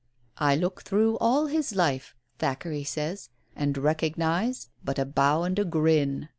"I look through all his life," Thackeray says, "and recognise but a bow and a grin.